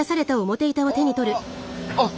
あああっ